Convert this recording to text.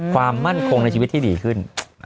ความมั่นคงในชีวิตที่ดีขึ้น